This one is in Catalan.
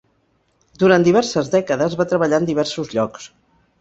Durant diverses dècades, va treballar en diversos llocs.